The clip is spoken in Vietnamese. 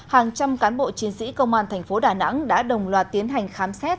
hàng trăm cán bộ chiến sĩ công an tp đà nẵng đã đồng loạt tiến hành khám xét